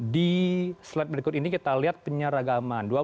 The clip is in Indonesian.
di slide berikut ini kita lihat penyeragaman